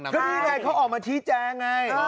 ก็นี่ไงเขาออกมาชี้แจงไง